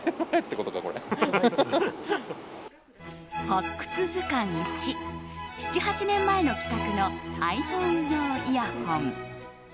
発掘図鑑１７８年前の規格のｉＰｈｏｎｅ用イヤホン。